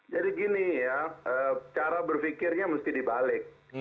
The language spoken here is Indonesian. jadi gini ya cara berpikirnya mesti dibalik